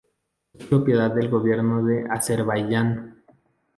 Es propiedad del Gobierno de Azerbaiyán.